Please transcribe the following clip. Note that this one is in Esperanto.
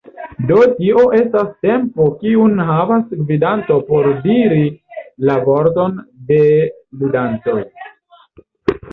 Do tio estas tempo kiun havas gvidanto por diri la vorton de ludantoj.